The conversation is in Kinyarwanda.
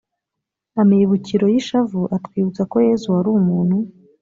amibukiro y’ishavu: atwibutsa ko yezu wari umuntu